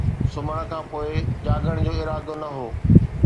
سمهڻ کان پوءِ جاڳڻ جو ارادو نه هو